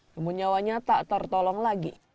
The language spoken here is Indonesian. namun nyawanya tak tertolong lagi